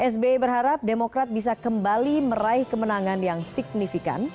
sbi berharap demokrat bisa kembali meraih kemenangan yang signifikan